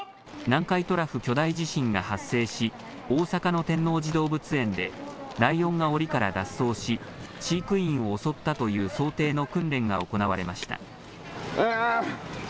南海トラフ巨大地震が発生し大阪の天王寺動物園でライオンがおりから脱走し飼育員を襲ったという想定の訓練が行われました。